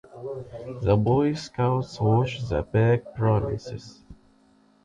The Boy-scouts watch the back premises.